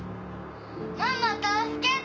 ママ助けて！